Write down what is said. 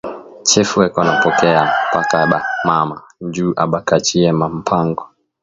Chefu eko na pokeya paka ba mama, njuu aba kachiye ma mpango